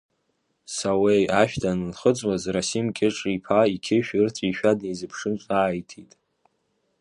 Сауеи ашә данынхыҵуаз, Расим Кьыҿ-иԥа иқьышә ырҵәишәа днеизыԥшын ҿааиҭит…